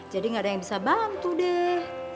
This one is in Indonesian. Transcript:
jadi gak ada yang bisa bantu deh